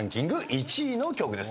１位の曲です。